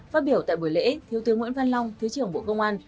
phát biểu tại buổi lễ thiếu tướng nguyễn văn long thứ trưởng bộ công an